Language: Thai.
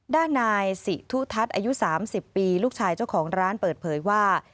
ด้านนายสิทุทัศน์อายุ๓๐ปีลูกชายเจ้าของร้านเปิดเผยว่า